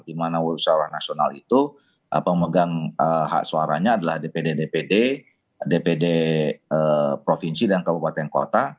di mana usahawan nasional itu pemegang hak suaranya adalah dpd dpd dpd provinsi dan kabupaten kota